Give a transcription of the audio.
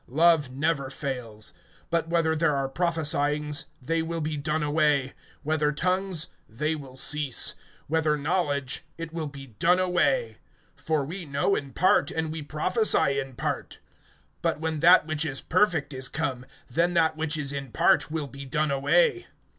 (8)Love never fails; but whether there are prophesyings, they will be done away; whether tongues, they will cease; whether knowledge, it will be done away. (9)For we know in part, and we prophesy in part. (10)But when that which is perfect is come, then that which is in part will be done away.